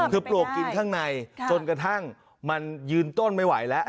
คือปลวกกินข้างในจนกระทั่งมันยืนต้นไม่ไหวแล้ว